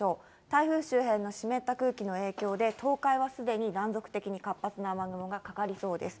台風周辺の湿った空気の影響で、東海はすでに断続的に活発な雨雲がかかりそうです。